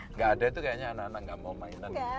nggak ada itu kayaknya anak anak nggak mau mainan